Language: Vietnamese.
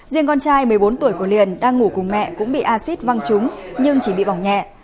riêng con trai một mươi bốn tuổi của liền đang ngủ cùng mẹ cũng bị acid văng trúng nhưng chỉ bị bỏng nhẹ